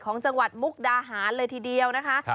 ของจังหวัดมุกดาหารเลยทีเดียวนะคะ